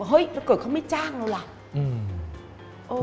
เฮ้ยปรากฏเขาไม่จ้างแล้วว่ะ